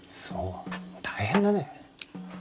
そう大変だね。